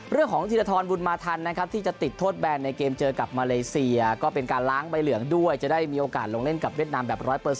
ธีรทรบุญมาทันนะครับที่จะติดโทษแบนในเกมเจอกับมาเลเซียก็เป็นการล้างใบเหลืองด้วยจะได้มีโอกาสลงเล่นกับเวียดนามแบบ๑๐๐